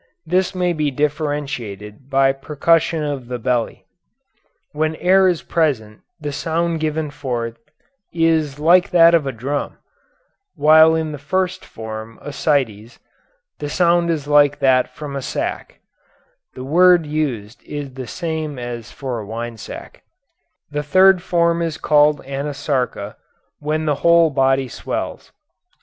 This may be differentiated by percussion of the belly. When air is present the sound given forth is like that of a drum, while in the first form ascites the sound is like that from a sack [the word used is the same as for a wine sack]; the third form is called anasarca, when the whole body swells."